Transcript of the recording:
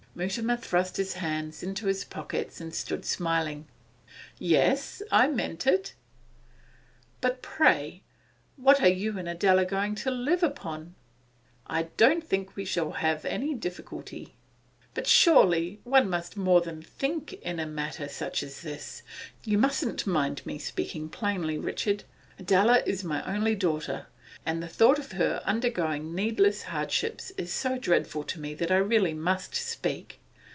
Mutimer thrust his hands into his pockets and stood smiling. 'Yes, I meant it.' 'But, pray, what are you and Adela going to live upon?' 'I don't think we shall have any difficulty.' 'But surely one must more than think in a matter such as this. You mustn't mind me speaking plainly, Richard. Adela is my only daughter, and the thought of her undergoing needless hardships is so dreadful to me that I really must speak.